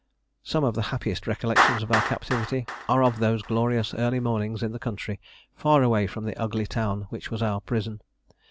Some of the happiest recollections of our captivity are of those glorious early mornings in the country, far away from the ugly town which was our prison.